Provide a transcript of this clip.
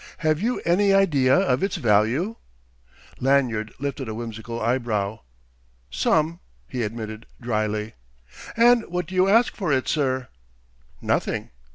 Have you any idea of its value?" Lanyard lifted a whimsical eyebrow. "Some," he admitted drily. "And what do you ask for it, sir?" "Nothing."